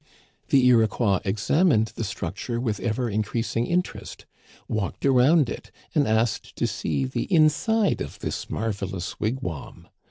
"The Iroquois examined the structure with ever increasing interest, walked around it, and asked to see the inside of this marvelous wigwam.